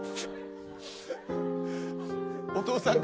お父さんが。